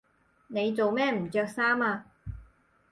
你做咩唔着衫呀？